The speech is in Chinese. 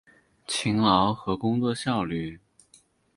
勤劳和工作效率